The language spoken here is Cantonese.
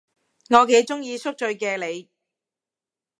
我幾鍾意宿醉嘅你